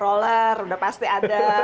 roller udah pasti ada